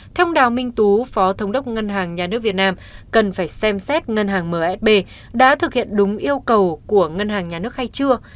thông đào minh tú phó thống đốc ngân hàng nhà nước việt nam cần phải xem xét ngân hàng msb đã thực hiện đúng yêu cầu của ngân hàng nhà nước hay chưa